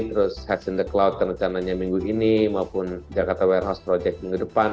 terus heads in the cloud rencananya minggu ini maupun jakarta warehouse project minggu depan